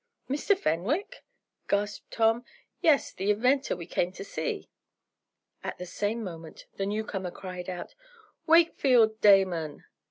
"Mr. Fenwick?" gasped Tom. "Yes. The inventor we came to see!" At the same moment the newcomer cried out: "Wakefield Damon!"